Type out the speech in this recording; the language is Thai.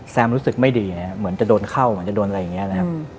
รู้สึกไม่ดีนะครับเหมือนจะโดนเข้าเหมือนจะโดนอะไรอย่างนี้นะครับ